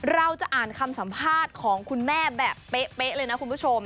เราจะอ่านคำสัมภาษณ์ของคุณแม่แบบเป๊ะเลยนะคุณผู้ชม